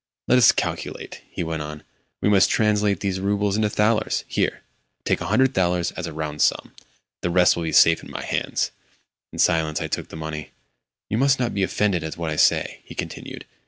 "Let us calculate," he went on. "We must translate these roubles into thalers. Here—take 100 thalers, as a round sum. The rest will be safe in my hands." In silence I took the money. "You must not be offended at what I say," he continued.